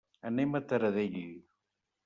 Anem a Taradell.